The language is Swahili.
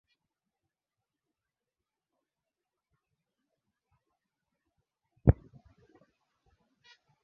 Hata hivyo sababu za kifo chake hazikugundulika mara moja